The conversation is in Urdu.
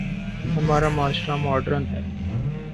ہمارا معاشرہ ماڈرن ہے۔